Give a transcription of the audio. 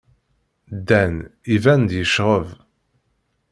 Dan iban-d yecɣeb.